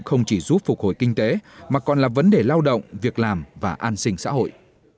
không chỉ giúp phục hồi kinh tế mà còn là vấn đề lao động việc làm và an sinh xã hội